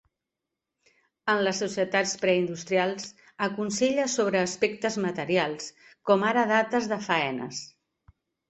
En les societats preindustrials, aconselle sobre aspectes materials com ara dates de faenes.